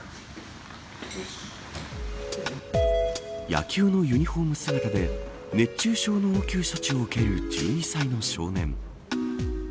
野球のユニホーム姿で熱中症の応急処置を受ける１２歳の少年。